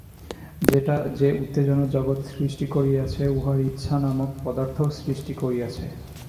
যে উত্তেজনা জগৎ সৃষ্টি করিয়াছে, উহাই ইচ্ছা নামক পদার্থও সৃষ্টি করিয়াছে।